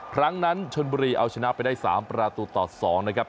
ครั้งนั้นชนบุรีเอาชนะไปได้๓ประตูต่อ๒นะครับ